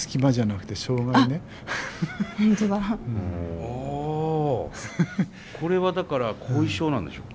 ああこれはだから後遺症なんでしょうか？